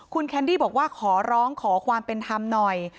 คุณแคนดี้บอกว่าขอร้องขอความเป็นธรรมหน่อย